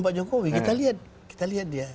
pak jokowi kita lihat kita lihat dia